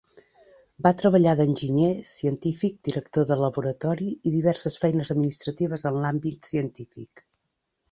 Va treballar d'enginyer, científic, director de laboratori, i diverses feines administratives en l'àmbit científic.